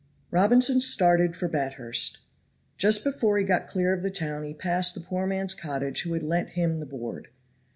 ROBINSON started for Bathurst. Just before he got clear of the town he passed the poor man's cottage who had lent him the board.